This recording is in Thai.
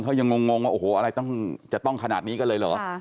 เขายังงงว่าโอ้โหอะไรจะต้องขนาดนี้กันเลยเหรอ